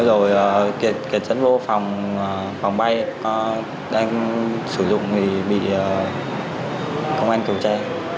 rồi kết dẫn vô phòng bay anh sử dụng thì bị công an kiểu che